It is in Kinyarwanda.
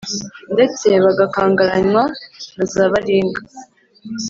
ndetse bagakangaranywa na za baringa.